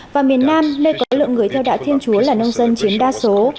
và miền nam nơi có lượng người theo đạo thiên chúa là nông dân chiếm đa số